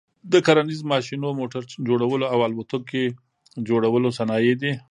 د کرنیز ماشینو، موټر جوړلو او الوتکي جوړلو صنایع دي.